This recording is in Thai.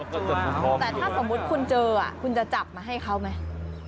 แต่ถ้าสมมุติคุณเจอคุณจะจับมาให้เขาไหม